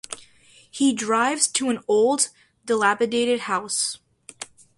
He drives to an old, dilapidated house.